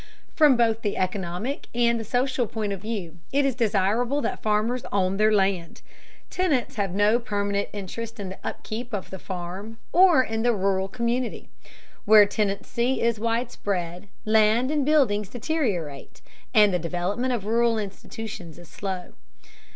From both the economic and the social point of view it is desirable that farmers own their land. Tenants have no permanent interest in the upkeep of the farm or in the rural community. Where tenancy is widespread, land and buildings deteriorate, and the development of rural institutions is slow.